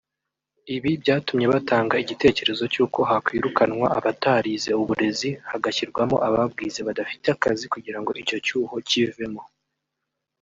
Ibi byatumye batanga igitekerezo cy’uko hakwirukanwa abatarize uburezi hagashyirwamo ababwize badafite akazi kugira ngo iki cyuho kivemo